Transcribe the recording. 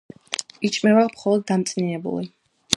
იჭმება მხოლოდ დამწნილებული.